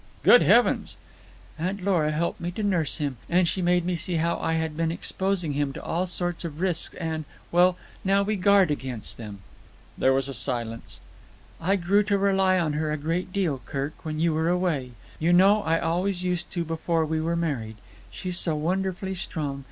"Good heavens!" "Aunt Lora helped me to nurse him, and she made me see how I had been exposing him to all sorts of risks, and—well, now we guard against them." There was a silence. "I grew to rely on her a great deal, Kirk, when you were away. You know I always used to before we were married. She's so wonderfully strong.